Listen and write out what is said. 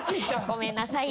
ごめんなさい。